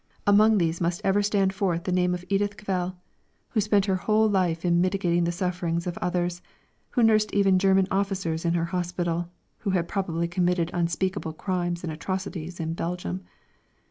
Among these must ever stand forth the name of Edith Cavell, who spent her whole life in mitigating the sufferings of others, who nursed even German officers in her hospital who had probably committed unspeakable crimes and atrocities in Belgium.